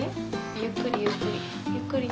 ゆっくりゆっくり。